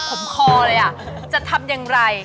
ก็ก็ไปส่งก่อนไง